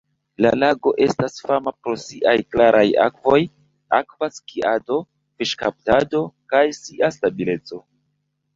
La lago estas fama pro siaj klaraj akvoj, akva skiado, fiŝkaptado, kaj sia stabileco.